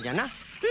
うん。